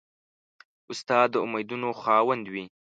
استاد د امیدونو خاوند وي.